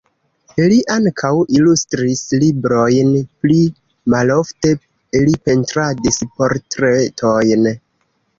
Li ankaŭ ilustris librojn, pli malofte li pentradis portretojn.